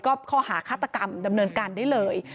ก็ข้อหาฆาตกรรมดำเนินการได้เลย